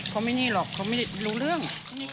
เขาไม่รู้เรื่อง